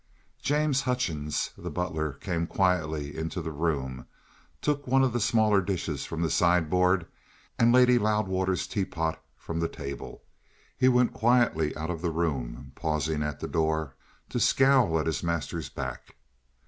James Hutchings, the butler, came quietly into the room, took one of the smaller dishes from the sideboard and Lady Loudwater's teapot from the table. He went quietly out of the room, pausing at the door to scowl at his master's back.